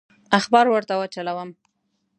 اخبار ورته وچلوم.